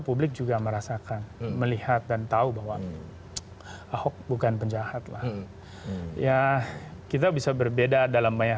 publik juga merasakan melihat dan tahu bahwa ahok bukan penjahat lah ya kita bisa berbeda dalam banyak